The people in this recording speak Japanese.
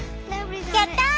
やったぁ！